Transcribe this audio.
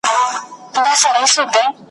تاریخ کي یوازینی مشر دی `